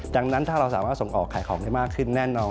ดังนั้นถ้าเราสามารถส่งออกขายของได้มากขึ้นแน่นอน